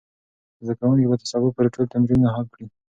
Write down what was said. زده کوونکي به تر سبا پورې ټول تمرینونه حل کړي وي.